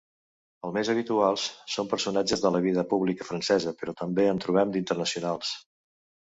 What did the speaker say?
Els més habituals són personatges de la vida pública francesa, però també en trobem d'internacionals.